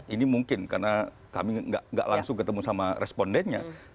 ini mungkin karena kami nggak langsung ketemu sama respondennya